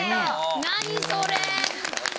何それ。